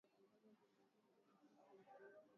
mwaka elfumoja miatisa sitini na moja lugha